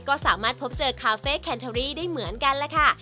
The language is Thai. ก็สามารถพบเจอคาเฟ่แคนเทอรี่ได้เหมือนกันล่ะค่ะ